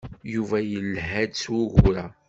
Yuba yelha-d s wugur-a.